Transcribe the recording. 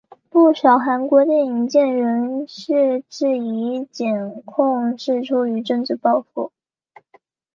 不少韩国电影界人士质疑检控是出于政治报复。